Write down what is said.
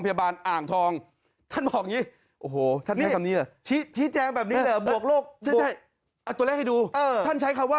เป็นเหมาะกรุงเทพฯ